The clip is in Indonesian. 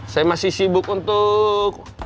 saya masih sibuk untuk